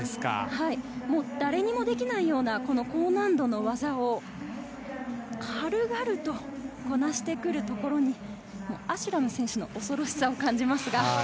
誰にもできないような高難度の技を軽々とこなしてくるところにアシュラム選手の恐ろしさを感じます。